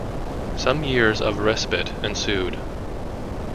Some years of respite ensued.